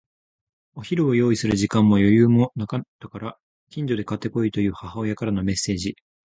お昼を用意する時間も余裕もなかったから、近所で買って来いという母親からのメッセージ。